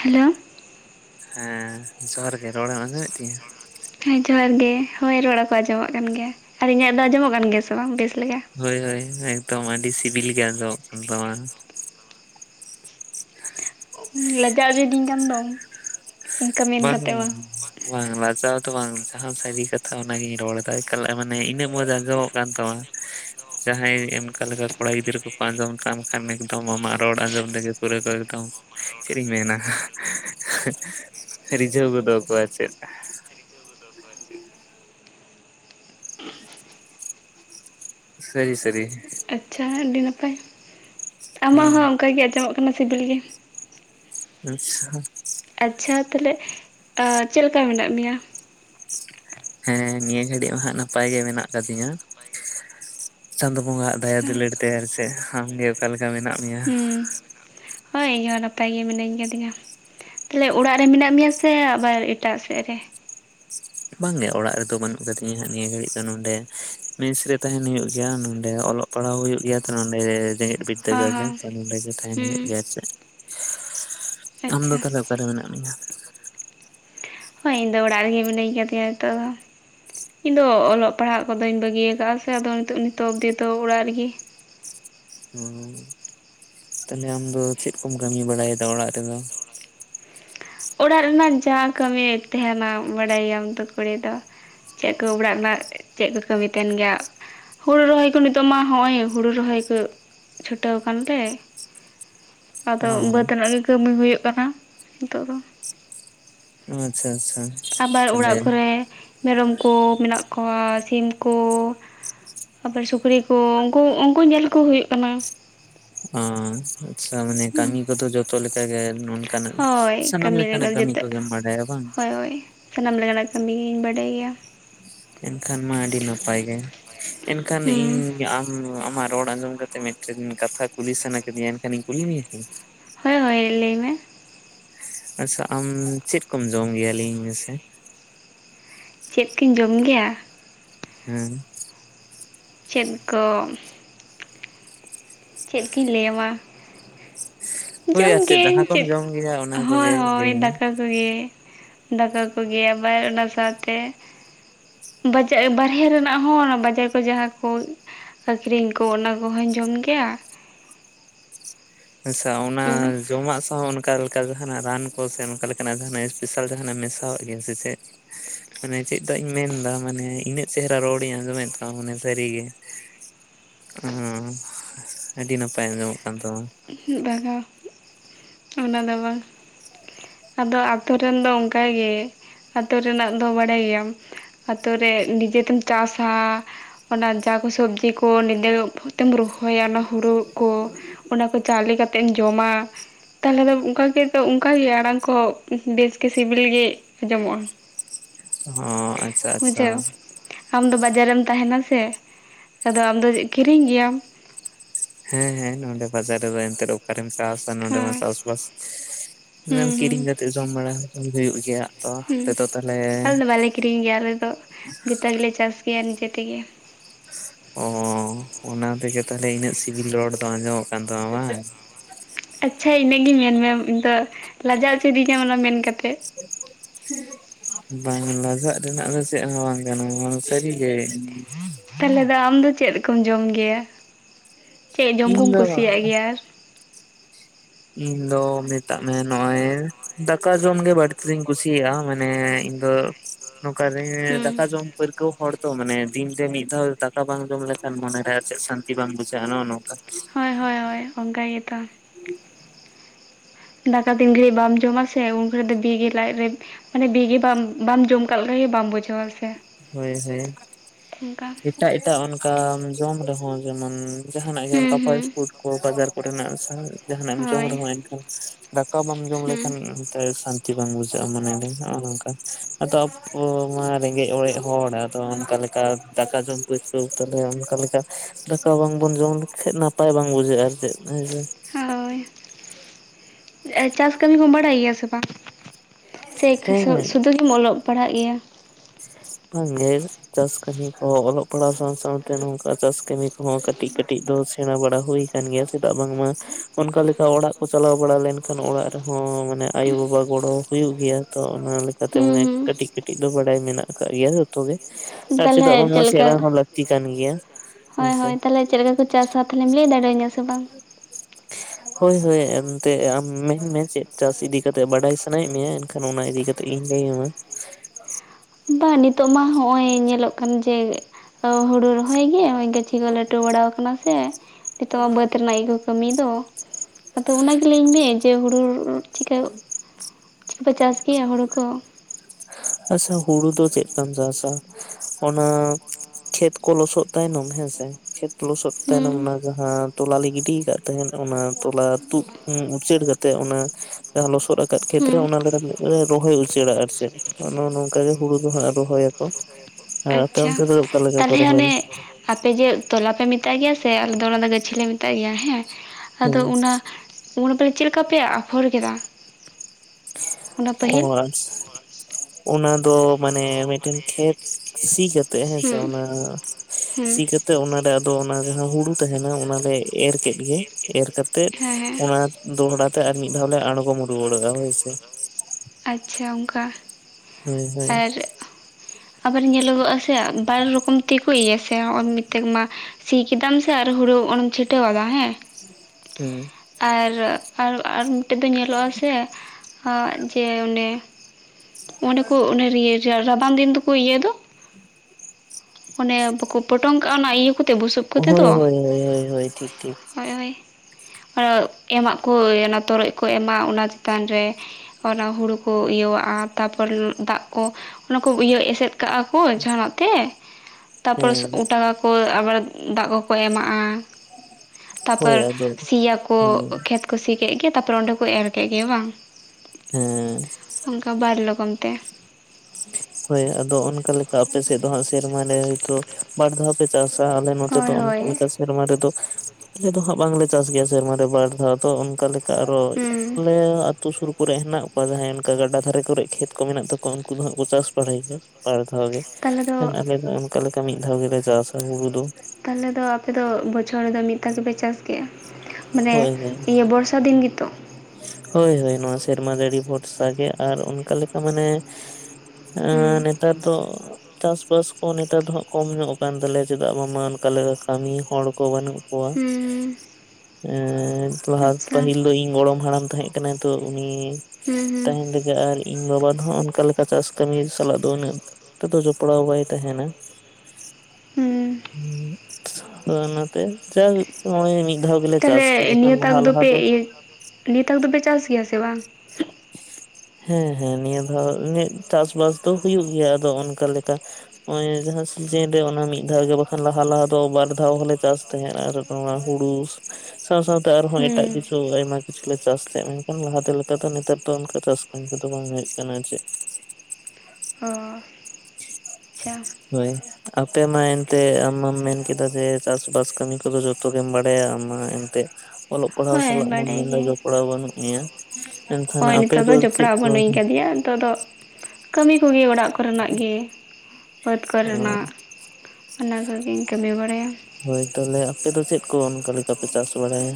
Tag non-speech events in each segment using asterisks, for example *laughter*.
Hello. ᱦᱮᱸ ᱡᱚᱦᱟᱨ ᱜᱮ᱾ ᱨᱚᱲᱮᱢ ᱟᱸᱡᱚᱢᱮᱫ ᱛᱤᱧᱟᱹ? ᱦᱮᱸ ᱡᱚᱦᱟᱨ ᱜᱮ, ᱦᱳᱭ ᱨᱚᱲᱟ ᱠᱚ ᱟᱸᱡᱚᱢᱚᱜ ᱠᱟᱱ ᱜᱮᱭᱟ, ᱟᱨ ᱤᱧᱟᱹᱜ ᱫᱚ ᱟᱸᱡᱚᱢᱚᱜ ᱠᱟᱱ ᱜᱮᱭᱟ ᱥᱮ ᱵᱟᱝ ᱵᱮᱥ ᱞᱮᱠᱟ? ᱦᱳᱭ ᱦᱳᱭ ᱮᱠᱫᱚᱢ ᱟᱹᱰᱤ ᱥᱤᱵᱤᱞ ᱜᱮ ᱟᱸᱡᱚᱢᱚᱜ ᱠᱟᱱ ᱛᱟᱢᱟ᱾ ᱦᱩᱸ ᱞᱟᱡᱟᱣ ᱦᱚᱪᱚᱭᱫᱤᱧ ᱠᱟᱱ ᱫᱚᱢ᱾ ᱚᱱᱠᱟ ᱢᱮᱱ ᱵᱟᱝ ᱠᱟᱛᱮ ᱢᱟ ᱵᱟᱝ ᱞᱟᱡᱟᱣ ᱫᱚ ᱵᱟᱝ ᱡᱟᱦᱟᱸ ᱥᱟᱹᱨᱤ ᱠᱟᱛᱷᱟ ᱚᱱᱟ ᱜᱤᱧ ᱨᱚᱲ ᱮᱫᱟ ᱮᱠᱟᱞ ᱢᱟᱱᱮ ᱤᱱᱟᱹᱜ ᱢᱚᱸᱡᱽ ᱟᱸᱡᱚᱢᱚᱜ ᱠᱟᱱ ᱛᱟᱢᱟ, ᱡᱟᱦᱟᱸᱭ ᱮᱢᱠᱟ ᱞᱮᱠᱟ ᱠᱚᱲᱟ ᱜᱤᱫᱽᱨᱟᱹ ᱠᱚᱠᱚ ᱟᱸᱡᱚᱢ ᱛᱟᱢ ᱠᱟᱱ ᱠᱷᱟᱱ ᱮᱠᱫᱚᱢ ᱟᱢᱟᱜ ᱨᱚᱲ ᱟᱸᱡᱚᱢ ᱛᱮᱜᱮ ᱯᱩᱨᱟᱹ ᱠᱚ ᱮᱠᱫᱚᱢ, ᱪᱮᱫ ᱤᱧ ᱢᱮᱱᱟ, ᱨᱤᱡᱷᱟᱹᱣ ᱜᱚᱫᱚᱜ ᱟᱠᱚ ᱟᱨ ᱪᱮᱫ᱾ ᱥᱟᱹᱨᱤ ᱥᱟᱹᱨᱤ᱾ ᱟᱪᱪᱷᱟ ᱟᱹᱰᱤ ᱱᱟᱯᱟᱭ, ᱟᱢᱟᱜ ᱦᱩᱸ ᱦᱚᱸ ᱚᱝᱠᱟ ᱜᱮ ᱟᱸᱡᱚᱢᱚᱜ ᱠᱟᱱᱟ ᱥᱤᱵᱤᱞ ᱜᱮ᱾ ᱟᱪᱪᱷᱟ᱾ ᱟᱪᱪᱷᱟ ᱛᱟᱦᱚᱞᱮ, ᱟᱸ ᱪᱮᱫ ᱞᱮᱠᱟ ᱢᱮᱱᱟᱜ ᱢᱮᱭᱟ? ᱦᱮᱸ ᱱᱤᱭᱟᱹ ᱜᱷᱟᱹᱲᱤᱡ ᱢᱟ ᱦᱟᱸᱜ ᱱᱟᱯᱟᱭ ᱜᱮ ᱢᱮᱱᱟᱜ ᱠᱟᱫᱤᱧᱟ᱾ ᱪᱟᱸᱫᱚ ᱵᱚᱸᱜᱟᱣᱟᱜ ᱫᱟᱭᱟ ᱟᱪᱪᱷᱟ ᱫᱩᱞᱟᱹᱲ ᱛᱮ ᱟᱨ ᱪᱮᱫ, ᱟᱢ ᱜᱮ ᱚᱠᱟ ᱞᱮᱠᱟ ᱢᱮᱱᱟᱜ ᱢᱮᱭᱟ? ᱦᱩᱸ ᱦᱳᱭ ᱤᱧᱦᱚᱸ ᱱᱟᱯᱟᱭ ᱜᱮ ᱢᱤᱱᱟᱹᱧ ᱠᱟᱹᱫᱤᱧᱟ᱾ ᱛᱟᱦᱚᱞᱮ ᱚᱲᱟᱜ ᱨᱮ ᱢᱮᱱᱟᱜ ᱢᱮᱭᱟ ᱥᱮ ᱟᱵᱟᱨ ᱮᱴᱟᱜ ᱥᱮᱫ ᱨᱮ? ᱵᱟᱝᱜᱮ ᱚᱲᱟᱜ ᱨᱮᱫᱚ ᱵᱟᱹᱱᱩᱜ ᱠᱟᱫᱤᱧᱟ ᱦᱟᱸᱜ ᱱᱤᱭᱟᱹ ᱜᱷᱟᱹᱲᱤᱡ ᱫᱚ ᱱᱚᱰᱮ, ᱢᱮᱥ ᱨᱮ ᱛᱟᱦᱮᱸᱱ ᱦᱩᱭᱩᱜ ᱜᱮᱭᱟ ᱱᱚᱰᱮ ᱚᱞᱚᱜ ᱯᱟᱲᱦᱟᱣ ᱦᱩᱭᱩᱜ ᱜᱮᱭᱟ ᱛᱚ ᱱᱚᱸᱰᱮ ᱡᱮᱜᱮᱛ ᱵᱤᱨᱤᱫᱟᱹᱜᱟᱲ ᱦᱚᱸ ᱨᱮ, ᱦᱚᱸ ᱛᱚ ᱱᱚᱰᱮ ᱜᱮ ᱛᱟᱦᱮᱸᱱ ᱦᱩᱭᱩᱜ ᱦᱩᱸ ᱜᱮᱭᱟ ᱟᱨ ᱪᱮᱫ᱾ ᱟᱢ ᱫᱚ ᱟᱪᱪᱷᱟ ᱛᱟᱦᱚᱞᱮ ᱚᱠᱟ ᱨᱮ ᱢᱮᱱᱟᱜ ᱢᱮᱭᱟ? ᱦᱳᱭ ᱤᱧ ᱫᱚ ᱚᱲᱟᱜ ᱨᱮᱜᱮ ᱢᱤᱱᱟᱹᱧ ᱟᱠᱟᱫᱤᱧᱟ ᱛᱚ᱾ ᱤᱧ ᱫᱚ ᱚᱞᱚᱜ ᱯᱟᱲᱦᱟᱜ ᱠᱚᱫᱚᱧ ᱵᱟᱹᱜᱤᱭᱟᱠᱟᱜ-ᱟ ᱥᱮ ᱟᱫᱚ ᱱᱤᱛᱚᱜ ᱱᱤᱛᱚᱜ ᱚᱵᱫᱤ ᱫᱚ ᱚᱲᱟᱜ ᱨᱤᱜᱤ᱾ ᱚᱸᱻ ᱛᱟᱦᱚᱞᱮ ᱟᱢ ᱫᱚ ᱪᱮᱫ ᱠᱚᱢ ᱠᱟᱹᱢᱤ ᱵᱟᱲᱟᱭᱮᱫᱟ ᱚᱲᱟᱜ ᱨᱮᱫᱚ? ᱚᱲᱟᱜ ᱨᱮᱱᱟᱜ ᱡᱟᱦᱟᱸ ᱠᱟᱹᱢᱤ ᱛᱟᱦᱮᱸᱱᱟ ᱵᱟᱰᱟᱭ ᱜᱮᱭᱟᱹᱢ ᱛᱚ ᱠᱩᱲᱤ ᱫᱚ᱾ ᱪᱮᱫ ᱠᱚ ᱚᱲᱟᱜ ᱨᱮᱱᱟᱜ ᱪᱮᱫ ᱠᱚ ᱠᱟᱹᱢᱤ ᱛᱟᱦᱮᱱ ᱜᱮᱭᱟ? ᱦᱩᱲᱩ ᱨᱚᱦᱚᱭ ᱠᱚ ᱱᱤᱛᱚᱜ ᱢᱟ ᱦᱚᱜᱼᱚᱭ ᱦᱩᱲᱩ ᱨᱚᱦᱚᱭ ᱠᱚ ᱪᱷᱩᱴᱟᱹᱣ ᱟᱠᱟᱱ ᱞᱮ ᱾ *unintelligible* ᱟᱫᱚ ᱵᱟᱹᱫᱽ ᱨᱮᱱᱟᱜ ᱜᱮ ᱠᱟᱹᱢᱤ ᱦᱩᱭᱩᱜ ᱠᱟᱱᱟ ᱱᱤᱛᱚᱜ ᱫᱚ, ᱟᱪᱪᱷᱟ ᱟᱪᱪᱷᱟ, ᱟᱵᱟᱨ ᱚᱲᱟᱜ ᱠᱚ ᱛᱟᱦᱚᱞᱮ ᱨᱮ ᱢᱮᱨᱚᱢ ᱠᱚ ᱢᱮᱱᱟᱜ ᱠᱚᱣᱟ ᱥᱤᱢ ᱠᱚ, ᱛᱟᱯᱚᱨ ᱥᱩᱠᱨᱤ ᱠᱚ ᱩᱱᱠᱩ ᱩᱱᱠᱩ ᱧᱮᱞ ᱠᱚ ᱦᱩᱭᱩᱜ ᱠᱟᱱᱟ, ᱟ ᱟᱪᱪᱷᱟ ᱢᱟᱱᱮ ᱦᱩᱸ ᱠᱟᱹᱢᱤ, ᱟᱫᱚ ᱡᱚᱛᱚ ᱞᱮᱠᱟᱜ ᱜᱮ ᱱᱚᱝᱠᱟᱱᱟᱜ ᱦᱳᱭ ᱥᱟᱱᱟᱢ ᱠᱟᱹᱢᱤ ᱞᱮᱠᱟᱱᱟᱜ ᱞᱮᱠᱟ ᱠᱟᱹᱢᱤ ᱡᱚᱛᱚ ᱠᱚᱜᱮᱢ ᱵᱟᱲᱟᱭᱟ ᱵᱟᱝ? ᱦᱳᱭ ᱦᱳᱭ ᱥᱟᱱᱟᱢ ᱞᱮᱠᱟ ᱱᱟᱜ ᱠᱟᱹᱢᱤ ᱜᱤᱧ ᱵᱟᱰᱟᱭ ᱜᱮᱭᱟ ᱾ ᱮᱱᱠᱷᱟᱱ ᱢᱟ ᱟᱹᱰᱤ ᱱᱟᱯᱟᱭ ᱜᱮ ᱾ ᱮᱱᱠᱷᱟᱱ ᱤᱧ ᱦᱩᱸ ᱟᱢ ᱟᱢᱟᱜ ᱨᱚᱲ ᱟᱸᱡᱚᱢ ᱠᱟᱛᱮ ᱢᱮᱫ, ᱠᱟᱛᱷᱟ ᱠᱩᱞᱤ ᱥᱟᱱᱟ ᱠᱤᱫᱤᱧᱟ ᱮᱱ ᱠᱷᱟᱱᱤᱧ ᱠᱩᱞᱤ ᱢᱮᱭᱟ ᱠᱤ? ᱦᱳᱭ ᱦᱳᱭ ᱞᱟᱹᱭ ᱢᱮ, ᱟᱪᱪᱷᱟ, ᱟᱢ ᱪᱮᱫ ᱠᱚᱢ ᱡᱚᱢ ᱜᱮᱭᱟ ᱞᱟᱹᱭ ᱤᱧ ᱢᱮᱥᱮ? ᱪᱮᱫ ᱠᱚᱧ ᱡᱚᱢ ᱜᱮᱭᱟ? ᱦᱮᱸ, ᱪᱮᱫ ᱠᱚ, ᱪᱮᱫ ᱠᱟᱹᱧ ᱞᱟᱹᱭ ᱟᱢᱟ? ᱦᱳᱭ ᱡᱚᱢ ᱟᱨ ᱜᱤᱭᱟᱹᱧ ᱡᱟᱦᱟᱸ ᱠᱚᱢ ᱪᱮᱫ ᱡᱚᱢ ᱜᱮᱭᱟ ᱚᱱᱟ ᱦᱳᱭ ᱠᱚᱜᱮ ᱞᱟᱹᱭ ᱦᱳᱭ ᱢᱮ ᱫᱟᱠᱟ, ᱠᱚᱜᱮ ᱫᱟᱠᱟ ᱠᱚᱜᱮ ᱟᱵᱟᱨ ᱚᱱᱟ ᱥᱟᱶᱛᱮ, ᱵᱟᱡᱟ ᱵᱟᱨᱦᱮ ᱨᱮᱱᱟᱜ ᱦᱚᱸ ᱚᱱᱟ ᱵᱟᱡᱟᱨ ᱠᱚ ᱡᱟᱦᱟᱸ ᱠᱚ, ᱟᱠᱷᱨᱤᱧ ᱠᱚ ᱚᱱᱟ ᱠᱚᱦᱚᱧ ᱡᱚᱢ ᱜᱮᱭᱟ, ᱟᱪᱪᱷᱟ, ᱚᱱᱟ ᱡᱚᱢᱟᱜ ᱥᱟᱶ, ᱚᱱᱠᱟ ᱞᱮᱠᱟ ᱡᱟᱦᱱᱟᱜ ᱨᱟᱱ ᱠᱚ ᱥᱮ ᱚᱱᱠᱟ ᱞᱮᱠᱟᱱᱟᱜ ᱡᱟᱦᱱᱟᱜ ᱥᱯᱮᱥᱟᱞ ᱡᱟᱦᱟᱱᱟᱜ ᱢᱮᱥᱟᱣᱟᱜ ᱜᱮᱭᱟ ᱥᱮ ᱪᱮᱫ? ᱢᱟᱱᱮ ᱪᱮᱫᱟᱜ ᱤᱧ ᱢᱮᱱᱫᱟ ᱢᱟᱱᱮ ᱤᱱᱟᱹᱜ ᱪᱮᱦᱨᱟ ᱨᱚᱲᱤᱧ ᱟᱸᱡᱚᱢ ᱮᱫ ᱛᱟᱢᱟ ᱢᱟᱱᱮ ᱥᱟᱹᱨᱤ ᱜᱮ, ᱚ ᱟᱹᱰᱤ ᱱᱟᱯᱟᱭ ᱟᱸᱡᱚᱢᱚᱜ ᱠᱟᱱ ᱛᱟᱢᱟ, ᱫᱟᱜᱟᱣ ᱚᱱᱟ ᱫᱚ ᱵᱟᱝ, ᱟᱫᱚ ᱟᱹᱛᱳ ᱨᱮᱱ ᱫᱚ ᱚᱱᱠᱟᱜᱮ ᱟᱹᱛᱳ ᱨᱮᱱᱟᱜ ᱫᱚ ᱵᱟᱲᱟᱭ ᱜᱮᱭᱟᱢ, ᱟᱹᱛᱳ ᱨᱮ ᱱᱤᱡᱮᱛᱮᱢ ᱪᱟᱥᱟ, ᱚᱱᱟ ᱡᱟ ᱠᱚ ᱥᱚᱵᱽᱡᱤ ᱠᱚ ᱱᱤᱱᱟᱹᱜ ᱵᱷᱚᱨᱛᱮᱢ ᱨᱚᱦᱚᱭᱟ ᱚᱱᱟ ᱦᱩᱲᱩ ᱠᱚ, ᱚᱱᱟ ᱠᱚ ᱪᱟᱣᱞᱮ ᱠᱟᱛᱮᱫ ᱮᱢ ᱡᱚᱢᱟ, ᱛᱟᱦᱚᱞᱮ ᱫᱚ ᱚᱝᱠᱟ ᱜᱮᱛᱚ ᱚᱝᱠᱟᱜ ᱜᱮ ᱟᱲᱟᱝ ᱠᱚᱦᱚᱸ ᱵᱮᱥ ᱜᱮ ᱥᱤᱵᱤᱞ ᱜᱮ, ᱟᱸᱡᱚᱢᱚᱜᱼᱟ, ᱦᱚᱸ ᱟᱪᱪᱷᱟ ᱟᱪᱪᱷᱟ, ᱵᱩᱡᱷᱟᱹᱣ ᱟᱢ ᱫᱚ ᱵᱟᱡᱟᱨᱮᱢ ᱛᱟᱦᱮᱱᱟ ᱥᱮ ᱟᱫᱚ ᱟᱢᱫᱚ ᱠᱤᱨᱤᱧ ᱜᱮᱭᱟᱢ, ᱦᱮᱸ ᱦᱮᱸ, ᱱᱚᱰᱮ ᱵᱟᱡᱟᱨ ᱨᱮ ᱫᱚ ᱮᱱᱛᱮ, ᱚᱠᱟᱨᱮᱢ ᱪᱟᱥᱟ ᱱᱚᱰᱮ ᱢᱟ ᱦᱳᱭ ᱪᱟᱥᱵᱟᱥ ᱦᱩᱸ ᱠᱤᱨᱤᱧ ᱠᱟᱛᱮᱫ ᱡᱚᱢ ᱵᱟᱲᱟ ᱦᱩᱭᱩᱜ ᱜᱮᱭᱟ, ᱛᱚ ᱦᱮᱸ ᱟᱯᱮ ᱫᱚ ᱛᱟᱦᱚᱞᱮ ᱟᱞᱮ ᱫᱚ ᱵᱟᱞᱮ ᱠᱤᱨᱤᱧ ᱜᱮᱭᱟ ᱟᱞᱮ ᱫᱚ ᱡᱚᱛᱚ ᱜᱮᱞᱮ ᱪᱟᱥ ᱜᱮᱭᱟ ᱱᱤᱡᱮ ᱛᱮ ᱜᱮ, ᱚ ᱚᱱᱟ ᱛᱮᱜᱮ ᱛᱟᱦᱚᱞᱮ ᱤᱱᱟᱹᱜ ᱥᱤᱵᱤᱞ ᱨᱚᱲ ᱫᱚ ᱟᱸᱡᱚᱢᱚᱜ ᱠᱟᱱ ᱛᱟᱢᱟ ᱵᱟᱝ? ᱟᱪᱪᱷᱟ ᱤᱱᱟᱹᱜ ᱜᱮ ᱢᱮᱱᱢᱮ ᱤᱧ ᱫᱚ ᱞᱟᱡᱟᱣ ᱚᱪᱚᱫᱤᱧᱟᱢ ᱚᱱᱟ ᱢᱮᱱ ᱠᱟᱛᱮᱫ, ᱵᱟᱝ, ᱞᱟᱡᱟᱜ ᱨᱮᱱᱟᱜ ᱫᱚ ᱪᱮᱫ ᱦᱚᱸ ᱵᱟᱝ ᱠᱟᱱᱟ ᱥᱟᱹᱨᱤ ᱜᱮ, *unintelligible* ᱛᱟᱦᱚᱞᱮ ᱫᱚ ᱟᱢ ᱫᱚ ᱪᱮᱫ ᱠᱚᱢ ᱡᱚᱢ ᱜᱮᱭᱟ ᱪᱮᱫ ᱡᱚᱢ ᱤᱧ ᱠᱚᱢ ᱫᱚ ᱠᱩᱥᱤᱭᱟᱜ ᱜᱮᱭᱟ? ᱤᱧ ᱫᱚ ᱢᱮᱛᱟᱜ ᱢᱮ ᱱᱚᱜ-ᱚᱭ, ᱫᱟᱠᱟ ᱡᱚᱢ ᱜᱮ ᱵᱟᱹᱲᱛᱤ ᱫᱩᱧ ᱠᱩᱥᱤᱭᱟᱜᱼᱟ ᱢᱟᱱᱮ ᱤᱧ ᱫᱚ ᱱᱚᱠᱟ ᱨᱮᱸ ᱫᱟᱠᱟ ᱦᱩᱸ ᱡᱚᱢ ᱯᱟᱹᱨᱠᱟᱹᱣ ᱦᱚᱲ ᱛᱚ ᱢᱟᱱᱮ ᱫᱤᱱᱨᱮ ᱢᱤᱫ ᱫᱷᱟᱣ ᱫᱟᱠᱟ ᱵᱟᱝ ᱡᱚᱢ ᱞᱮᱠᱷᱟᱱ ᱢᱚᱱᱮᱨᱮ ᱟᱨ ᱪᱮᱫ ᱥᱟᱱᱛᱤ ᱵᱟᱝ ᱵᱩᱡᱷᱟᱹᱜᱼᱟ ᱱᱚᱜᱼᱚ ᱱᱚᱠᱟ᱾ ᱦᱳᱭ ᱦᱳᱭ ᱦᱳᱭ ᱚᱝᱠᱟ ᱜᱮᱛᱚ᱾ *inaudible* ᱫᱟᱠᱟ ᱛᱤᱱ ᱜᱷᱟᱹᱲᱤᱡ ᱵᱟᱢ ᱡᱚᱢᱟ ᱥᱮ ᱩᱱ ᱜᱷᱟᱹᱲ ᱫᱚ ᱵᱤᱜᱤ ᱞᱟᱡ ᱨᱮ ᱢᱟᱱᱮ ᱵᱤᱜᱤ ᱵᱟᱢ ᱵᱟᱢ ᱡᱚᱢ ᱠᱟᱜ ᱞᱮᱠᱟ ᱜᱮ ᱵᱟᱢ ᱵᱩᱡᱷᱟᱹᱣᱟ ᱥᱮ᱾ ᱦᱳᱭ ᱦᱳᱭ ᱚᱱᱠᱟ ᱮᱴᱟᱜ ᱮᱴᱟᱜ ᱚᱱᱠᱟᱢ ᱡᱚᱢ ᱨᱮᱦᱚᱸ ᱡᱮᱢᱚᱱ ᱡᱟᱦᱟᱸᱱᱟᱜ ᱜᱮ ᱚᱱᱠᱟ ᱦᱩᱸ ᱦᱩᱸ ᱯᱷᱟᱨᱥᱯᱷᱩᱴ ᱠᱚ ᱵᱟᱡᱟᱨ ᱠᱚᱨᱮᱱᱟᱜ ᱥᱟᱶ ᱡᱟᱦᱟᱸᱱᱟᱜ ᱮᱢ ᱡᱚᱢ ᱦᱳᱭ ᱨᱮᱦᱚᱸ ᱮᱱᱠᱷᱟᱱ ᱫᱟᱠᱟ ᱵᱟᱢ ᱡᱚᱢ ᱦᱩᱸ ᱞᱮᱠᱷᱟᱱ ᱮᱱᱛᱮ ᱥᱟᱱ ᱛᱤ ᱵᱟᱝ ᱵᱩᱡᱷᱟᱹᱜᱼᱟ ᱢᱚᱱᱮ ᱞᱮᱱ ᱱᱚᱜᱼᱚ ᱱᱚᱝᱠᱟ ᱟᱫᱚ ᱟᱵᱚ ᱢᱟ ᱨᱮᱸᱜᱮᱡ ᱚᱲᱮᱡ ᱦᱚᱲ ᱟᱫᱚ ᱚᱱᱠᱟ ᱞᱮᱠᱟ ᱫᱟᱠᱟ ᱡᱚᱢ ᱯᱟᱹᱭᱠᱟᱹᱣ ᱛᱷᱟᱞᱮ ᱚᱱᱠᱟ ᱞᱮᱠᱟ ᱫᱟᱠᱟ ᱵᱟᱝᱵᱚᱱ ᱡᱚᱢ ᱞᱮᱠᱷᱟᱡ ᱱᱟᱯ ᱯᱟᱭ ᱵᱟᱝ ᱵᱩᱡᱷᱟᱹᱜᱼᱟ ᱟᱨ ᱪᱮᱫ ᱦᱮᱸᱥᱮ ᱦᱳᱭ ᱟᱨ ᱪᱟᱥ ᱠᱟᱹᱢᱤ ᱠᱚᱢ ᱵᱟᱲᱟᱭ ᱜᱮᱭᱟ ᱥᱮ ᱵᱟᱝ? ᱥᱮᱠ ᱥᱩ ᱥᱩᱫᱷᱩ ᱜᱮᱢ ᱚᱞᱚᱜ ᱯᱟᱲᱦᱟᱜ ᱜᱮᱭᱟ? ᱵᱟᱝ ᱜᱮ ᱪᱟᱥ ᱠᱟᱹᱢᱤ ᱠᱚᱦᱚᱸ ᱚᱞᱚᱜ ᱯᱟᱲᱦᱟᱣ ᱥᱟᱶ ᱥᱟᱶᱛᱮ ᱱᱚᱝᱠᱟ ᱪᱟᱥ ᱠᱟᱹᱢᱤ ᱠᱚᱦᱚᱸ ᱠᱟᱹᱴᱤᱡ ᱠᱟᱹᱴᱤᱡ ᱫᱚ ᱥᱮᱬᱟ ᱵᱟᱲᱟ ᱦᱩᱭ ᱠᱟᱱ ᱜᱮᱭᱟ ᱪᱮᱫᱟᱜ ᱵᱟᱝᱢᱟ ᱚᱱᱠᱟ ᱞᱮᱠᱟ ᱚᱲᱟᱜ ᱠᱚ ᱪᱟᱞᱟᱣ ᱵᱟᱲᱟ ᱞᱮᱱᱠᱷᱟᱱ ᱚᱲᱟᱜ ᱨᱮᱦᱚᱸ ᱢᱟ ᱚᱱᱮ ᱟᱭᱳ ᱵᱟᱵᱟ ᱜᱚᱲᱚ ᱦᱩᱭᱩᱜ ᱜᱮᱭᱟ ᱛᱚ ᱚᱱᱟ ᱞᱮᱠᱟᱛᱮ ᱢᱟᱱᱮ ᱦᱩᱸ ᱠᱟᱹᱴᱤᱡ ᱠᱟᱹᱴᱤᱡ ᱫᱚ ᱵᱟᱰᱟᱭ ᱢᱮᱱᱟᱜ ᱟᱠᱟᱫ ᱜᱮᱭᱟ ᱦᱟᱹᱛ ᱛᱚᱵᱮ ᱦᱩᱸ ᱟᱨ ᱛᱟᱦᱚᱞᱮ ᱪᱮᱫᱟᱜ ᱵᱟᱝ ᱪᱮᱫ ᱢᱟ ᱞᱮᱠᱟ ᱥᱮᱬᱟ ᱦᱚᱸ ᱞᱟᱹᱠᱛᱤ ᱠᱟᱱ ᱜᱮᱭᱟ᱾ ᱦᱳᱭ ᱦᱮᱸᱥᱮ ᱦᱳᱭ ᱛᱷᱟᱞᱮ ᱪᱮᱫ ᱞᱮᱠᱟ ᱠᱚ ᱪᱟᱥᱟ ᱛᱷᱟᱞᱮᱢ ᱞᱟᱹᱭ ᱫᱟᱲᱮᱣ ᱟᱹᱧᱟᱹ ᱥᱮ ᱵᱟᱝ? *inaudible* ᱦᱳᱭ ᱦᱳᱭ ᱮᱱᱛᱮᱫ ᱟᱢ ᱢᱮᱱᱢᱮ ᱪᱮᱫ ᱪᱟᱥ ᱤᱫᱤ ᱠᱟᱛᱮᱫ ᱵᱟᱰᱟᱭ ᱥᱟᱱᱟᱭᱮᱫ ᱢᱮᱭᱟ ᱮᱱᱠᱷᱟᱱ ᱚᱱᱟ ᱤᱫᱤ ᱠᱟᱛ ᱛᱤᱡ ᱤᱧ ᱞᱟᱹᱭ ᱟᱢᱟ᱾ ᱵᱟᱝ ᱱᱤᱛᱚᱜ ᱢᱟ ᱦᱚᱸᱜ ᱚᱭ ᱧᱮᱞᱚᱜ ᱠᱟᱱ ᱡᱮ ᱦᱩᱲᱩ ᱨᱚᱦᱚᱭ ᱜᱮ ᱚᱜᱚᱭ ᱜᱟᱹᱪᱷᱤ ᱠᱚ ᱞᱟᱹᱴᱩ ᱵᱟᱲᱟᱣ ᱠᱟᱱᱟ ᱥᱮ ᱱᱤᱛᱚᱜ ᱢᱟ ᱵᱟᱹᱫᱽ ᱨᱮᱱᱟᱜ ᱜᱮᱠᱚ ᱠᱟᱹᱢᱤᱭ ᱫᱚ ᱟᱫᱚ ᱚᱱᱟ ᱜᱮᱞᱤᱧ ᱢᱮᱭᱮᱡ ᱡᱮ ᱦᱩᱲᱩᱲ ᱪᱤᱠᱟ ᱜᱚᱜ ᱪᱤᱠᱟᱯᱮ ᱪᱟᱥ ᱜᱮᱭᱟ ᱦᱳᱲᱳ ᱠᱚ? ᱟᱪᱪᱷᱟ ᱦᱩᱲᱩ ᱫᱚ ᱪᱮᱫᱠᱟᱢ ᱪᱟᱥᱟ? ᱚᱱᱟ ᱠᱷᱮᱛ ᱠᱚ ᱞᱚᱥᱚᱫ ᱛᱟᱭᱱᱚᱢ ᱦᱮᱸᱥᱮ ᱠᱷᱮᱛ ᱞᱚᱥᱚᱫ ᱦᱩᱸ ᱛᱟᱭᱱᱚᱢ ᱚᱱᱟ ᱡᱟᱦᱟᱸ ᱛᱚᱞᱟ ᱞᱮ ᱜᱤᱰᱤᱭ ᱠᱟᱜ ᱛᱟᱦᱮᱸᱱ ᱚᱱᱟ ᱛᱚᱞᱟ ᱛᱩᱫ ᱩᱸ ᱩᱪᱟᱹᱲ ᱠᱟᱛᱮᱜ ᱚᱱᱟ ᱡᱟᱦᱟᱸ ᱞᱚᱥᱚᱫ ᱮᱴᱟᱜ ᱠᱷᱮᱛ ᱨᱮ ᱚᱱᱟ ᱞᱮᱠᱟ ᱨᱮ ᱨᱚᱦᱚᱭ ᱩᱪᱟᱹᱲᱟ ᱟᱨ ᱪᱮᱫ ᱱᱚ ᱱᱚᱝᱠᱟ ᱜᱮ ᱦᱩᱲᱩ ᱫᱚ ᱦᱟᱸᱜ ᱨᱚᱦᱚᱭᱟᱠᱚ᱾ ᱟᱨ ᱟᱯᱮ ᱟᱪᱪᱷᱟ ᱚᱱᱛᱮ ᱫᱚ ᱚᱠᱟ ᱞᱮᱠᱟ ᱠᱚ ᱛᱟᱦᱚᱞᱮ ᱨᱚᱦᱚᱭ? ᱚᱱᱮ ᱟᱯᱮ ᱡᱮ ᱛᱚᱞᱟ ᱯᱮ ᱢᱮᱛᱟᱜ ᱜᱮᱭᱟ ᱥᱮ ᱟᱞᱮ ᱫᱚ ᱚᱱᱟ ᱫᱚ ᱜᱟᱹᱪᱷᱤ ᱞᱮ ᱢᱮᱛᱟᱜ ᱜᱮᱭᱟ ᱦᱮᱸ ᱟᱫᱚ ᱦᱮᱸ ᱩᱱᱟ ᱥᱩᱸᱲ ᱯᱮ ᱪᱮᱫ ᱞᱮᱠᱟ ᱯᱮ ᱟᱯᱷᱚᱨ ᱠᱮᱫᱟ? ᱚᱱᱟ ᱯᱟᱹᱦᱤᱞ? ᱚᱥ ᱚᱱᱟ ᱫᱚ ᱢᱟᱱᱮ ᱢᱤᱫᱴᱮᱱ ᱠᱷᱮᱛ ᱥᱤ ᱠᱟᱛ ᱛᱮ ᱦᱮᱸᱥᱮ ᱚᱱᱟ ᱥᱤ ᱜᱮᱫ ᱠᱟᱛᱮ ᱚᱱᱟᱨᱮ ᱟᱫᱚ ᱚᱱᱟ ᱡᱟᱦᱟᱸ ᱦᱩᱲᱩ ᱛᱮᱦᱮᱸᱱᱟ ᱚᱱᱟᱞᱮ ᱮᱨ ᱠᱮᱫ ᱜᱮ ᱮᱨ ᱠᱟᱛᱮᱫ ᱚᱱᱟ ᱫᱚᱦᱚᱲᱟ ᱛᱮ ᱟᱨ ᱢᱤᱫ ᱫᱷᱟᱣ ᱞᱮ ᱟᱬᱜᱚᱢ ᱨᱩᱣᱟᱹᱲᱟᱜᱼᱟ ᱦᱳᱭᱥᱮ᱾ ᱟᱪᱪᱷᱟ ᱚᱝᱠᱟ ᱦᱳᱭ ᱟᱨ ᱟᱵᱟᱨ ᱧᱮᱞᱚᱜᱚᱜᱼᱟᱥ ᱥᱮ ᱵᱟᱭᱤᱨ ᱨᱚᱠᱚᱢ ᱛᱤᱠ ᱠᱩᱭ ᱭᱟᱹ ᱥᱮ ᱚᱦᱚᱝ ᱢᱤᱫᱴᱮᱝ ᱢᱟ ᱥᱤ ᱠᱮᱫᱟᱢ ᱥᱮ ᱟᱨ ᱦᱩᱲᱩ ᱚᱱᱢ ᱪᱷᱤᱴᱟᱹᱣᱟᱫᱟ ᱦᱮᱸ ᱦᱩᱸ ᱟᱨ ᱟᱨ ᱟᱨ ᱴᱮᱡ ᱫᱚ ᱧᱮᱞᱚᱜᱼᱟ ᱥᱮ ᱦᱟᱹᱜ ᱡᱮ ᱚᱱᱮ ᱚᱱᱮ ᱠᱚ ᱚᱱᱮ ᱨᱤᱭᱮᱨ ᱪᱟᱹ ᱨᱟᱵᱟᱝ ᱫᱤᱱ ᱫᱚᱠᱚ ᱤᱭᱟᱹ ᱫᱚ *inaudible* ᱚᱱᱮ ᱵᱟᱠᱚ ᱯᱚᱴᱚᱢ ᱠᱟᱜᱼᱟ ᱚᱱᱟ ᱤᱭᱟᱹ ᱠᱚᱛᱮ ᱵᱩᱥᱩᱵ ᱦᱳᱭ ᱠᱚᱛᱮ ᱫᱚ ᱦᱳᱭ ᱦᱳᱭ ᱦᱳᱭ ᱦᱳᱭ ᱴᱷᱤᱠ ᱴᱷᱤᱠ ᱾ ᱦᱳᱭ, ᱦᱳᱭ᱾ *unintelligible* ᱮᱢᱟᱜ ᱠᱚ, ᱚᱱᱟ ᱛᱚᱨᱚᱡ ᱠᱚ ᱮᱢᱟ ᱚᱱᱟ ᱪᱮᱛᱟᱱ ᱨᱮ᱾ ᱚᱱᱟ ᱦᱩᱲᱩ ᱠᱚ ᱤᱭᱟᱹᱣᱟᱜᱼᱟ᱾ ᱛᱟᱨᱯᱚᱨ ᱫᱟᱜ ᱠᱚ ᱚᱱᱟ ᱠᱚ ᱤᱭᱟᱹ ᱮᱥᱮᱫ ᱠᱟᱜᱼᱟ᱾ *unintelligible* ᱡᱟᱦᱟᱱᱟᱜ ᱛᱮ, ᱛᱟᱯᱚᱨ ᱦᱮᱸ ᱚᱴᱟᱜ ᱟᱠᱚ ᱟᱵᱟᱨ ᱫᱟᱜ ᱠᱚᱠᱚ ᱮᱢᱟᱜᱼᱟ᱾ ᱦᱳᱭ ᱛᱟᱯᱚᱨ ᱟᱫᱚ ᱥᱤ ᱟᱠᱚ ᱦᱮᱸ ᱠᱷᱮᱛᱼᱼ ᱥᱤ ᱠᱮᱫ ᱜᱮ, ᱛᱟᱯᱚᱨᱮ ᱚᱸᱰᱮ ᱠᱚ ᱮᱨ ᱠᱮᱜ ᱜᱮ ᱵᱟᱝ᱾ ᱦᱩᱸ ᱚᱱᱠᱟ ᱵᱟᱨ ᱨᱚᱠᱚᱢ ᱛᱮ᱾ ᱦᱳᱭ ᱟᱫᱚ ᱚᱱᱠᱟ ᱞᱮᱠᱟ ᱟᱯᱮ ᱥᱮᱫ ᱫᱚ ᱦᱟᱸᱜ, ᱥᱮᱨᱢᱟ ᱨᱮ ᱦᱚᱭᱛᱳ ᱵᱟᱨ ᱫᱷᱟᱣ ᱯᱮᱼᱼ ᱪᱟᱥᱟ᱾ ᱟᱞᱮ ᱪᱟᱥ ᱱᱚᱛᱮ ᱫᱚ ᱦᱳᱭ ᱚᱱᱠᱟ ᱦᱳᱭ ᱞᱮᱠᱟᱼᱼ ᱥᱮᱨᱢᱟ ᱨᱮᱫᱚ ᱟᱞᱮ ᱫᱚ ᱦᱟᱸᱜ ᱵᱟᱝᱞᱮ ᱪᱟᱥ ᱜᱮᱭᱟ᱾ ᱥᱮᱨᱢᱟ ᱨᱮ ᱵᱟᱨ ᱫᱷᱟᱣ ᱫᱚ ᱚᱱᱠᱟᱼᱼ ᱟᱨᱚ ᱦᱩᱸ ᱟᱞᱮ ᱟᱛᱩ ᱥᱩᱨ ᱠᱚᱨᱮ ᱦᱮᱱᱟᱜ ᱠᱚᱣᱟ ᱾ ᱡᱟᱦᱟᱸᱭ ᱚᱱᱠᱟ ᱜᱟᱰᱟ ᱫᱷᱟᱨᱮ ᱠᱚᱨᱮ ᱠᱷᱮᱛ ᱠᱚ ᱢᱮᱱᱟᱜ ᱛᱟᱠᱚ ᱩᱱᱠᱩᱼᱼ ᱩᱱᱠᱩ ᱫᱚ ᱦᱟᱸᱜ ᱠᱚ ᱪᱟᱥ ᱵᱟᱲᱟᱭ ᱜᱮᱭᱟ ᱵᱟᱨ ᱫᱷᱟᱣ ᱜᱮ᱾ ᱛᱟᱦᱚᱞᱮ ᱫᱚ ᱟᱞᱮ ᱫᱚᱼᱼ ᱚᱠᱟ ᱞᱮᱠᱟ ᱢᱤᱫ ᱫᱷᱟᱣ ᱜᱮᱞᱮ ᱪᱟᱥᱟ ᱦᱩᱲᱩ ᱫᱚ᱾ ᱛᱟᱦᱚᱞᱮ ᱫᱚ ᱟᱯᱮ ᱫᱚ ᱵᱚᱪᱷᱚᱨ ᱨᱮᱫᱚ ᱢᱤᱫ ᱫᱟᱜ *unintelligible* ᱜᱮᱯᱮ ᱪᱟᱥᱼᱼ ᱢᱟᱱᱮ, ᱦᱳᱭ ᱦᱳᱭ ᱤᱭᱟᱹ ᱵᱚᱨᱥᱟ ᱫᱤᱱ ᱜᱮᱛᱚ᱾ ᱦᱳᱭ ᱦᱳᱭ ᱱᱚᱣᱟ ᱥᱮᱨᱢᱟ ᱡᱟᱹᱲᱤ ᱵᱷᱚᱨᱥᱟ ᱜᱮ ᱟᱨ ᱚᱱᱠᱟ ᱞᱮᱠᱟ ᱢᱟᱱᱮᱼᱼ ᱮᱸ ᱦᱩᱸ ᱱᱮᱛᱟᱨ ᱫᱚᱼᱼ ᱪᱟᱥᱵᱟᱥ ᱠᱚ ᱱᱮᱛᱟᱨ ᱫᱚ ᱦᱟᱜ ᱠᱚᱢ ᱧᱚᱜ ᱠᱟᱱ ᱛᱟᱞᱮᱭᱟ᱾ ᱪᱮᱫᱟᱜ ᱵᱟᱝᱢᱟ ᱚᱱᱠᱟ ᱞᱮᱠᱟ ᱠᱟᱹᱢᱤ ᱦᱚᱲ ᱠᱚ ᱵᱟᱹᱱᱩᱜᱼᱼ ᱠᱚᱣᱟ᱾ ᱦᱩᱸ ᱦᱮᱸ *unintelligible* ᱟᱪᱪᱷᱟ ᱯᱟᱹᱦᱤᱞ ᱫᱚ ᱤᱧ ᱜᱚᱲᱚᱢᱼᱼ ᱦᱟᱲᱟᱢ ᱛᱟᱦᱮᱸ ᱠᱟᱱᱟ ᱛᱚ, ᱩᱱᱤ ᱦᱩᱸ ᱦᱩᱸ ᱛᱟᱦᱮᱱ ᱨᱮᱼᱼ ᱟᱨ ᱤᱧ ᱵᱟᱵᱟ ᱫᱚ ᱦᱟᱜ, ᱚᱱᱠᱟ ᱞᱮᱠᱟ ᱪᱟᱥ ᱠᱟᱹᱢᱤ ᱥᱟᱞᱟᱜ ᱫᱚ ᱩᱱᱟᱹᱜ ᱛᱮᱫᱚ ᱡᱚᱯᱲᱟᱣ ᱵᱟᱭ ᱛᱟᱦᱮᱱᱟ᱾ ᱦᱩᱸ ᱦᱮᱸ *unintelligible* ᱳ ᱚᱱᱟᱛᱮ ᱡᱮ *unintelligible* ᱢᱤᱫ ᱫᱷᱟᱣ ᱜᱮᱞᱮ ᱪᱟᱥ ᱛᱟᱦᱚᱞᱮ ᱠᱮ ᱵᱟᱠᱷᱟᱱ ᱞᱟᱦᱟ ᱫᱚᱼᱼ ᱱᱮᱛᱟᱨ ᱫᱚᱯᱮ ᱪᱟᱥ ᱜᱮᱭᱟ ᱥᱮ ᱵᱟᱝ? ᱦᱮᱸ, ᱦᱮᱸ ᱱᱤᱭᱟᱹ ᱫᱷᱟᱣ ᱪᱟᱥᱵᱟᱥ ᱫᱚ ᱦᱩᱭᱩᱜ ᱜᱮᱭᱟ᱾ ᱟᱫᱚ ᱚᱱᱠᱟ ᱞᱮᱠᱟᱼᱼ ᱱᱚᱜᱚᱭ ᱡᱟᱦᱟᱸ ᱥᱤᱡᱤᱱ ᱨᱮ ᱚᱱᱟ ᱢᱤᱫ ᱫᱷᱟᱣ ᱜᱮ ᱾ ᱵᱟᱠᱷᱟᱱ ᱞᱟᱦᱟ ᱞᱟᱦᱟ ᱫᱚ ᱵᱟᱨ ᱫᱷᱟᱣ ᱦᱚᱞᱮ ᱪᱟᱥᱼᱼ ᱛᱟᱦᱮᱱᱟ ᱟᱨ *unintelligible* ᱦᱩᱲᱩ ᱥᱟᱶ ᱥᱟᱶᱛᱮ ᱟᱨᱦᱚᱸ ᱮᱴᱟᱜ ᱦᱩᱸ ᱠᱤᱪᱷᱩ ᱟᱭᱢᱟ ᱠᱤᱪᱷᱩᱞᱮ ᱪᱟᱥ ᱛᱟᱦᱮᱸᱫ ᱢᱮᱱᱠᱷᱟᱱ ᱞᱟᱦᱟᱛᱮᱼᱼ ᱫᱚ ᱱᱮᱛᱟᱨ ᱫᱚ ᱚᱱᱠᱟ ᱪᱟᱥ ᱠᱟᱹᱢᱤ ᱠᱚᱫᱚ ᱵᱟᱝ ᱦᱩᱭᱩᱜ *unintelligible* ᱠᱟᱱᱟ ᱪᱮᱫ᱾ ᱚ, ᱟᱪᱪᱷᱟ᱾ ᱦᱳᱭ ᱟᱯᱮ ᱢᱟ ᱮᱱᱛᱮ ᱟᱢᱟᱢ ᱢᱮᱱ ᱠᱮᱫᱟ ᱡᱮ ᱪᱟᱥᱵᱟᱥ ᱠᱟᱹᱢᱤ ᱠᱚᱫᱚ ᱡᱚᱛᱚ ᱜᱮᱢ ᱵᱟᱲᱟᱭᱟ᱾ ᱟᱢ ᱢᱟ ᱮᱱᱛᱮᱜ᱾ ᱚᱞᱚᱜ ᱯᱟᱲᱦᱟᱣ ᱦᱳᱭ ᱥᱟᱞᱟᱜ ᱢᱟ ᱵᱟᱰᱟᱭ ᱢᱮᱱᱫᱟ ᱜᱮ ᱡᱚᱯᱲᱟᱣ ᱵᱟᱹᱱᱩᱜ ᱢᱮᱭᱟ᱾ ᱮᱱᱠᱷᱟᱱ ᱦᱳᱭ ᱟᱯᱮ ᱱᱤᱛᱚᱜ ᱫᱚ ᱪᱮᱫ ᱡᱚᱯᱲᱟᱣ ᱠᱚᱼᱼ ᱵᱟᱹᱱᱩᱧ ᱠᱟᱫᱮᱭᱟ ᱱᱤᱛᱚᱜ ᱫᱚ, ᱠᱟᱹᱢᱤ ᱠᱚᱜᱮ ᱚᱲᱟᱜ ᱠᱚᱨᱮᱱᱟᱜ ᱜᱮᱼᱼ ᱵᱟᱹᱫᱽ ᱠᱚ ᱨᱮᱱᱟᱜ᱾ ᱚᱱᱟ ᱠᱚᱜᱮᱧ ᱠᱟᱹᱢᱤ ᱵᱟᱲᱟᱭᱟ᱾ ᱦᱳᱭ ᱛᱟᱦᱚᱞᱮ ᱟᱯᱮ ᱫᱚ ᱪᱮᱫ ᱠᱚ ᱚᱱᱠᱟ ᱞᱮᱠᱟ ᱯᱮ ᱪᱟᱥ ᱵᱟᱲᱟᱭᱟ?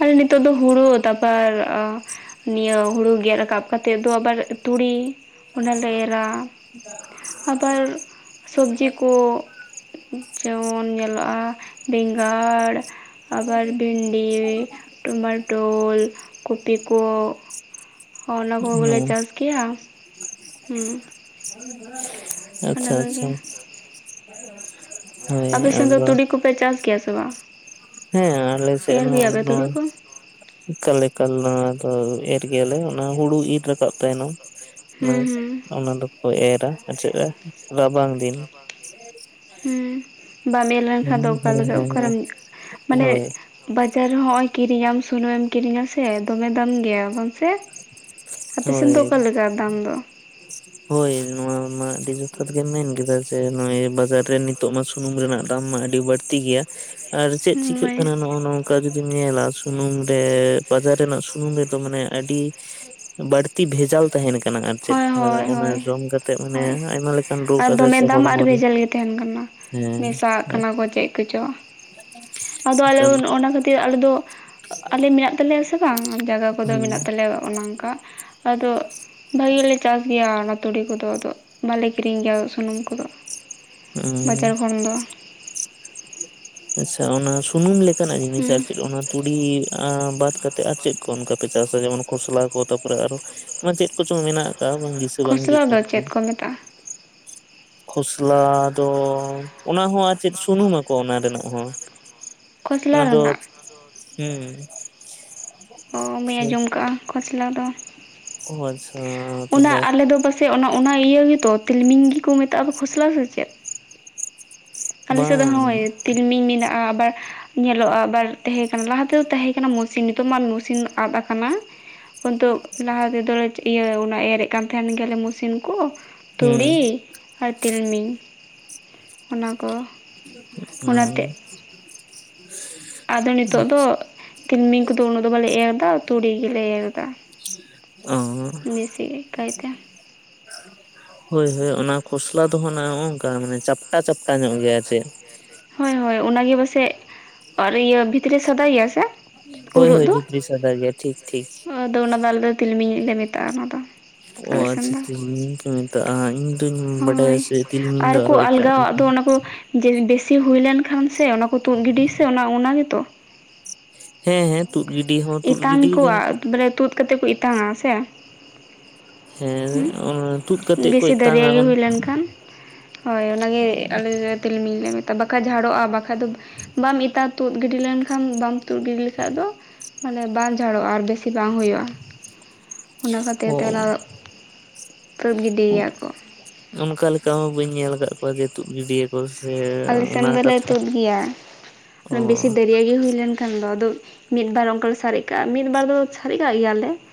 ᱟᱨ ᱱᱤᱛᱚᱜ ᱫᱚ ᱦᱩᱲᱩ, ᱛᱟᱨᱯᱚᱨᱼᱼ ᱱᱤᱭᱟᱹ ᱦᱩᱲᱩ ᱜᱮᱫ ᱨᱟᱠᱟᱵ ᱠᱟᱛᱮᱫ ᱫᱚ ᱟᱵᱟᱨ ᱛᱩᱲᱤ᱾ ᱚᱱᱟᱞᱮ ᱮᱨᱟ, ᱟᱵᱟᱨ ᱥᱚᱵᱽᱡᱤ ᱠᱚ᱾ ᱡᱮᱢᱚᱱ ᱧᱮᱞᱚᱜᱼᱟ ᱵᱮᱸᱜᱟᱲ, ᱟᱵᱟᱨ ᱵᱷᱤᱱᱰᱤ᱾ ᱴᱚᱢᱟᱴᱳᱞ, ᱠᱚᱯᱤ ᱠᱚ, ᱚᱱᱟ ᱠᱚᱜᱮᱞᱮ ᱦᱮᱸ ᱪᱟᱥᱼᱼ ᱜᱮᱭᱟ ᱾ ᱦᱩᱸ ᱚᱱᱟ ᱟᱪᱪᱷᱟ, ᱟᱪᱪᱷᱟ᱾ ᱠᱚᱜᱮ ᱦᱳᱭ ᱟᱯᱮ ᱥᱮᱱ ᱫᱚ ᱟᱫᱚ ᱛᱩᱲᱤ ᱠᱚᱯᱮ ᱪᱟᱥ ᱜᱮᱭᱟ ᱥᱮ ᱵᱟᱝ? ᱦᱮᱸ ᱟᱞᱮ ᱥᱮᱫ ᱮᱨ ᱦᱚᱸ ᱜᱮᱭᱟᱯᱮ ᱛᱩᱲᱤ ᱱᱚᱜᱚᱭ᱾ ᱠᱚ ᱠᱟᱠᱟᱞ ᱱᱚᱣᱟ ᱫᱚ ᱮᱨ ᱜᱮᱭᱟᱞᱮ ᱚᱱᱟ ᱦᱩᱲᱩ ᱤᱨ ᱨᱟᱠᱟᱵ ᱛᱟᱭᱱᱟ ᱦᱩᱸ ᱾ ᱚᱱᱟ ᱫᱚᱠᱚ ᱮᱨᱟ ᱟᱨ ᱪᱮᱫ ᱨᱟᱵᱟᱝ ᱫᱤᱱ ᱦᱩᱸ ᱵᱟᱝᱟᱢᱮ ᱦᱮᱸ ᱞᱮᱱᱠᱷᱟᱱ ᱫᱚ ᱦᱮᱸ ᱚᱠᱟᱮᱠᱟ ᱦᱮᱸ ᱚᱠᱟᱨᱮᱢ ᱢᱟᱱᱮ ᱦᱳᱭ ᱵᱟᱡᱟᱨ ᱨᱮᱦ ᱦᱚᱸᱜ ᱚᱭ ᱠᱤᱨᱤᱧᱟᱢ ᱥᱩᱱᱩᱢᱮ ᱮᱢ ᱠᱤᱨᱤᱧᱟ ᱥᱮ ᱫᱚᱢᱮ ᱫᱟᱢ ᱜᱮᱭᱟ ᱵᱟᱝ ᱟᱯᱮ ᱥᱮᱱ ᱦᱳᱭ ᱫᱚ ᱚᱠᱟᱞᱮ ᱞᱮᱠᱟ ᱫᱟᱢ ᱫᱚ? ᱦᱳᱭ ᱱᱚᱣᱟ ᱢᱟ ᱟᱹᱰᱤ ᱡᱚᱛᱷᱟᱛ ᱜᱮᱢ ᱢᱮᱱᱠᱟ ᱡᱮ ᱱᱚᱜ ᱵᱟᱡᱟᱨ ᱨᱮᱱᱤᱡ ᱱᱤᱛᱚᱜ ᱢᱟ ᱥᱩᱱᱩᱢ ᱨᱮᱱᱟᱜ ᱫᱟᱢ ᱢᱟ ᱟᱹᱰᱤ ᱵᱟᱹᱲᱛᱤ ᱜᱮᱭᱟ ᱾ ᱟᱨ ᱪᱮᱫ ᱪᱤᱠᱟᱹᱜ ᱦᱳᱭ ᱠᱟᱱᱟ᱾ ᱱᱚᱜᱼᱚ ᱱᱚᱝᱠᱟ ᱡᱩᱫᱤᱢ ᱧᱮᱞᱟ ᱥᱩᱱᱩᱢ ᱨᱮ ᱵᱟᱡᱟᱨ ᱨᱮᱱᱟᱜ ᱥᱩᱱᱩᱢ ᱨᱮᱫᱚ ᱢᱟᱱᱮ ᱟᱹᱰᱤ ᱵᱟᱹᱲᱛᱤ ᱛᱤ ᱵᱷᱮᱡᱟᱞ ᱛᱟᱦᱮᱱ ᱠᱟᱱᱟ ᱟᱨ ᱪᱮᱫ? ᱦᱚᱭ ᱚᱱᱟ ᱦᱚᱭ ᱡᱚᱢ ᱠᱟᱛᱮᱜ ᱢᱟᱱᱮ ᱦᱚᱭ ᱟᱭᱢᱟ ᱞᱮᱠᱟᱱ ᱨᱳᱜᱽ ᱟᱨ ᱟᱡᱟᱨ ᱥᱮ ᱫᱚᱢᱮ ᱫᱟᱢ ᱟᱨ ᱦᱚᱲᱢᱚ ᱨᱮ ᱵᱷᱮᱡᱟᱞ ᱜᱮ ᱛᱟᱦᱮᱱ ᱠᱟᱱᱟ ᱾ ᱢᱮᱥᱟᱜ ᱟᱜ ᱦᱮᱸ ᱟᱨ ᱠᱟᱱᱟ ᱠᱚ ᱪᱮᱫ ᱠᱚᱪᱚᱝ, ᱟᱫᱚ ᱟᱞᱮ ᱚᱱᱟ ᱠᱷᱟᱹᱛᱤᱨ ᱟᱞᱮ ᱫᱚ ᱟᱞᱮ ᱢᱮᱱᱟᱜ ᱛᱟᱞᱮᱭᱟ ᱥᱮ ᱵᱟᱝ? ᱡᱟᱭᱜᱟ ᱠᱚᱫᱚ ᱦᱩᱸ ᱢᱮᱱᱟᱜ ᱛᱟᱞᱮᱭᱟ ᱚᱱᱮ ᱚᱱᱠᱟ ᱟᱫᱚ ᱵᱷᱟᱹᱜᱮᱞᱮ ᱪᱟᱥ ᱜᱮᱭᱟ ᱚᱱᱟ ᱛᱩᱲᱤ ᱠᱚᱫᱚ ᱟᱫᱚ ᱵᱟᱞᱮ ᱠᱤᱨᱤᱧ ᱜᱮᱭᱟ ᱥᱩᱱᱩᱢ ᱠᱚᱫᱚ ᱾ ᱦᱩᱸ ᱵᱟᱡᱟᱨ ᱠᱷᱚᱱ ᱫᱚ ᱟᱪᱪᱷᱟ ᱚᱱᱟ ᱥᱩᱱᱩᱢ ᱞᱮᱠᱟᱱᱟᱜ ᱡᱤᱱᱤᱥᱟ ᱦᱩᱸ ᱟᱨ ᱪᱮᱫ ᱚᱱᱟ ᱛᱩᱲᱤ ᱵᱟᱫ ᱠᱟᱛᱮ ᱮᱫ ᱟᱨ ᱪᱮᱫ ᱠᱚ ᱚᱱᱠᱟ ᱯᱮ ᱪᱟᱥᱟ ᱡᱮᱢᱚᱱ ᱠᱷᱚᱥᱞᱟ ᱠᱚ ᱛᱟᱯᱚᱨᱮ ᱟᱨ ᱪᱮᱫ ᱠᱚᱪᱚᱝ ᱢᱮᱱᱟᱜ ᱵᱟᱝ ᱫᱤᱥᱟᱹ ᱵᱟᱝ ᱠᱷᱚᱥᱞᱟ ᱦᱤᱡᱩᱜ ᱫᱚ ᱠᱟᱱᱟ ᱪᱮᱫ ᱛᱤᱧᱹᱟ ᱠᱚ ᱢᱮᱛᱟᱜᱼᱟ ᱠᱷᱚᱥᱞᱟ ᱫᱚ ᱚᱱᱟ ᱦᱚᱸ ᱟᱨ ᱪᱮᱫ ᱥᱩᱱᱩᱢ ᱟᱠᱚ ᱚᱱᱟ ᱨᱮᱱᱟᱜ ᱦᱚᱸ ᱠᱷᱚᱥᱞᱟ ᱚᱱᱟ ᱫᱚ ᱨᱮᱱᱟᱜ ᱾ ᱦᱩᱸ ᱚ ᱢᱟᱧ ᱟᱸᱡᱚᱢ ᱠᱟᱜᱼᱟ᱾ ᱠᱷᱚᱥᱞᱟ ᱫᱚ ᱚ ᱟᱪᱪᱷᱟ ᱚᱱᱟ ᱛᱟᱦᱞᱮ ᱟᱞᱮ ᱫᱚ ᱵᱟ ᱥᱮ ᱚᱱᱟ ᱤᱭᱟᱹ ᱜᱮᱛᱚ ᱛᱤᱞᱢᱤᱧ ᱜᱮᱠᱚ ᱢᱮᱛᱟᱜᱼᱟ᱾ ᱠᱷᱚᱥᱞᱟ ᱥᱮ ᱪᱮᱫ? ᱟᱞᱮ ᱥᱮᱫ ᱫᱚ ᱵᱟᱝ ᱦᱳᱭ ᱛᱤᱞᱢᱤᱧ ᱢᱮᱱᱟᱜᱼᱟ ᱟᱵᱟᱨ ᱧᱮᱞᱚᱜᱼᱟ? ᱵᱟᱨ ᱛᱮᱦᱮᱸ ᱠᱟᱱᱟ᱾ ᱞᱟᱦᱟ ᱛᱮᱫᱚ ᱛᱟᱦᱮᱸ ᱠᱟᱱᱟ ᱢᱚᱹᱥᱤᱱ ᱱᱤᱛᱚᱜ ᱢᱟ ᱢᱚᱹᱥᱤᱱ ᱟᱫ ᱟᱠᱟᱱᱟ *unintelligible* ᱞᱟᱦᱟ ᱛᱮᱫᱚ ᱤᱭᱟᱹ ᱚᱱᱟ ᱮᱨᱮᱫ ᱠᱟᱱ ᱛᱟᱦᱮᱱ ᱜᱮᱭᱟᱞᱮ ᱢᱚᱹᱥᱤᱱ ᱠᱚ ᱦᱩᱸ ᱛᱩᱲᱤ ᱟᱨ ᱛᱤᱞᱢᱤᱧ ᱚᱱᱟᱠᱚ ᱦᱩᱸ ᱟᱫᱚ ᱱᱤᱛᱚᱜ ᱫᱚ ᱛᱤᱞᱢᱤᱧ ᱠᱚᱫᱚ ᱩᱱᱟᱹᱜ ᱫᱚ ᱵᱟᱞᱮ ᱮᱨ ᱫᱟ ᱛᱩᱲᱤ ᱜᱮᱞᱮ ᱮᱨ ᱫᱟ ᱾ ᱚ *unintelligible* ᱦᱳᱭ ᱦᱳᱭ ᱚᱱᱟ ᱠᱷᱚᱥᱞᱟ ᱫᱚ ᱦᱚᱸ ᱱᱚᱜᱝᱠᱟ ᱢᱟᱱᱮ ᱪᱟᱯᱴᱟ ᱪᱟᱯᱴᱟ ᱧᱚᱜ ᱜᱮᱭᱟ ᱪᱮᱫ? ᱦᱳᱭ ᱦᱳᱭ ᱚᱱᱟᱜᱮ ᱯᱟᱥᱮᱡ ᱚᱨ ᱤᱭᱟᱹ ᱵᱷᱤᱛᱨᱤ ᱥᱟᱫᱟᱭᱮᱭᱟ ᱥᱮ? ᱦᱳᱭ ᱩᱨᱚᱜ ᱦᱳᱭ ᱫᱚ ᱵᱷᱤᱛᱨᱤᱥ ᱥᱟᱫᱟ ᱜᱮᱭᱟ ᱴᱷᱤᱠ ᱴᱷᱤᱠ ᱟᱫᱚ ᱚᱱᱟᱫᱚ ᱟᱞᱮᱫᱚ ᱛᱤᱞ ᱢᱤᱧ ᱞᱮ ᱢᱮᱛᱟᱜᱼᱟ ᱚᱱᱟᱫᱚ ᱾ ᱚ ᱟᱪᱪᱷᱟ ᱛᱤᱞᱢᱤᱧ ᱠᱚ ᱢᱮᱛᱟᱜᱼᱟ ᱤᱧ ᱫᱚᱩᱧ ᱵᱟᱰᱟᱭᱟ ᱦᱳᱭ ᱥᱮ ᱛᱤᱞᱢᱤᱧ ᱟᱨ ᱫᱚ ᱟᱨᱚ ᱠᱚ ᱮᱴᱟᱜ ᱨᱮ ᱟᱞᱜᱟᱣᱟᱜ ᱫᱚ ᱚᱱᱟ ᱠᱚ ᱵᱮᱥᱤ ᱦᱩᱭ ᱞᱮᱱ ᱠᱷᱟᱱ ᱥᱮ ᱚᱱᱟ ᱠᱚ ᱛᱩᱫ ᱜᱤᱰ ᱥᱮ ᱚᱱᱟ ᱚᱱᱟ ᱜᱮᱛᱚ? ᱦᱮᱸ ᱦᱮᱸ ᱛᱩᱫ ᱜᱤᱰᱤ ᱦᱚᱸ ᱛᱩᱫ ᱜᱤᱰᱤ ᱮᱛᱟᱝ ᱜᱟᱱᱚ -ᱟ᱾ ᱠᱚᱣᱟ ᱵᱚᱞᱮ ᱛᱩᱫ ᱠᱟᱛᱮ ᱠᱚ ᱤᱛᱟᱝᱟ ᱥᱮ? ᱦᱮᱸ ᱚᱱᱟ ᱛᱩᱫ ᱦᱩᱸ ᱠᱟᱛᱮᱜ ᱠᱚ ᱵᱮᱥᱤ ᱫᱟᱨᱭᱟ ᱮᱛᱟᱝᱟ ᱜᱮ ᱚᱱ ᱦᱩᱭ ᱞᱮᱱᱠᱷᱟᱱ ᱦᱳᱭ ᱚᱱᱟᱜᱮ ᱟᱞᱮ ᱛᱤᱞᱢᱤᱞ ᱞᱮ ᱢᱮᱛᱟᱜᱼᱟ᱾ ᱵᱟᱠᱷᱟ ᱡᱷᱟᱲᱚᱜᱼᱟ᱾ ᱵᱟᱠᱷᱟᱡ ᱫᱚ ᱵᱟᱢ ᱮᱛᱟ ᱛᱩᱫ ᱜᱤᱰᱤ ᱞᱮᱱᱠᱷᱟᱱ ᱵᱟᱢ ᱛᱩᱫ ᱜᱤᱰᱤ ᱞᱮᱠᱷᱷᱟᱡ ᱫᱚ ᱢᱟᱱᱮ ᱵᱟᱝ ᱡᱷᱟᱲᱚᱜ-ᱟ ᱟᱨ ᱵᱮᱥᱤ ᱵᱟᱝ ᱦᱩᱭᱩᱜ-ᱟ᱾ ᱚᱱᱟ ᱠᱷᱟᱹᱛᱤᱨ ᱚ ᱛᱮ ᱚᱱᱟ ᱛᱩᱫ ᱜᱤᱰᱤᱭ ᱜᱮᱭᱟᱠᱚ᱾ ᱚᱱᱠᱟ ᱞᱮᱠᱟ ᱦᱚᱸ ᱵᱟᱹᱧ ᱧᱮᱞ ᱟᱠᱟᱫ ᱠᱚᱣᱟ ᱡᱮ ᱛᱩᱫ ᱜᱤᱰᱤᱭᱟᱠᱚ᱾ ᱥᱮ ᱟᱞᱮ ᱥᱮᱱ ᱚᱱᱟ ᱫᱚᱞᱮ ᱠᱟᱛᱷᱟ ᱛᱩᱫ ᱜᱮᱭᱟ ᱚ ᱵᱮᱥᱤ ᱫᱚ᱾ ᱡᱟᱭᱜᱟ ᱦᱩᱭ ᱞᱮᱱᱠᱷᱟᱱ ᱫᱚ, ᱟᱫᱚ ᱢᱤᱫ ᱵᱟᱨ ᱚᱱᱠᱟ ᱞᱮᱮ ᱥᱟᱨᱮᱡ ᱠᱟᱜ-ᱟ, ᱢᱤᱫ ᱵᱟᱨ ᱫᱚ ᱥᱟᱨᱮᱡ ᱠᱟᱜ ᱜᱮᱭᱟᱞᱮ᱾